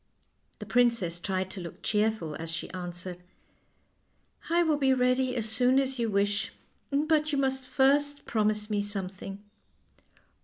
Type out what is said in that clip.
The princess tried to look cheerful, as she answered: " I will be ready as soon as you wish ; but you must first promise me something."